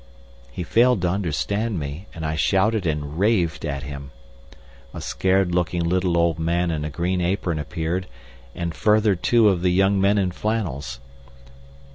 He failed to understand me, and I shouted and raved at him. A scared looking little old man in a green apron appeared, and further two of the young men in flannels.